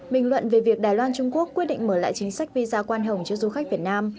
bình luận về việc đài loan trung quốc quyết định mở lại chính sách visa quan hồng cho du khách việt nam